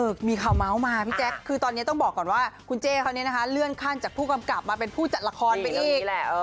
คือมีข่าวเมาส์มาพี่แจ๊คคือตอนนี้ต้องบอกก่อนว่าคุณเจ๊เขาเนี่ยนะคะเลื่อนขั้นจากผู้กำกับมาเป็นผู้จัดละครไปอีก